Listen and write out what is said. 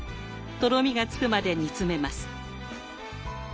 とろみがつくまで煮詰めます。